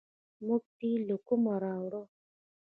موږ تیل له کومه راوړو؟